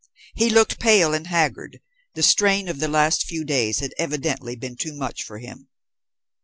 He looked pale and haggard, the strain of the last few days had evidently been too much for him.